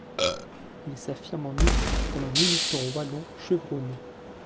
Il s'affirme en outre comme un militant wallon chevronné.